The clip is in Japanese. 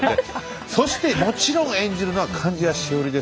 そしてもちろん演じるのは貫地谷しほりですから。